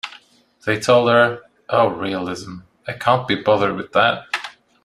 They told her, "Oh, realism, I can't be bothered with that.